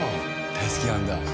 大好きなんだ。